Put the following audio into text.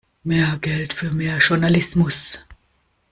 Mehr Geld für mehr Journalismus!